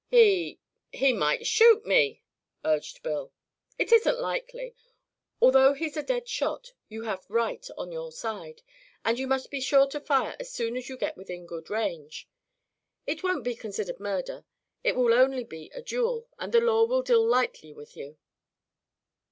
"He he might shoot me," urged Bill. "It isn't likely. Although he's a dead shot, you have right on your side, and you must be sure to fire as soon as you get within good range. It won't be considered murder; it will only be a duel, and the law will deal lightly with you."